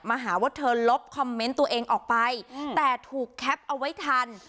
หาว่าเธอลบคอมเมนต์ตัวเองออกไปแต่ถูกแคปเอาไว้ทัน